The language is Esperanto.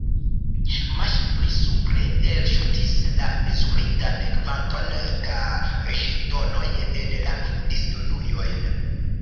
Maŝinoj supre elŝutis la mezuritan kvanton da ĵetonoj en la disdonujojn.